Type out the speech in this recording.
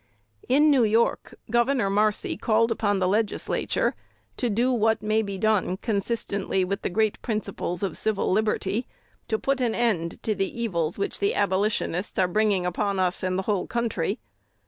In New York, Gov. Marcy called upon the Legislature "to do what may be done consistently with the great principles of civil liberty, to put an end to the evils which the Abolitionists are bringing upon us and the whole country."